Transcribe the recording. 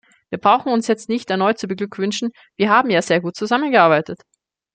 Wir brauchen uns jetzt nicht erneut zu beglückwünschen, wir haben ja sehr gut zusammengearbeitet.